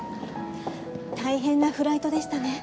大変なフライトでしたね。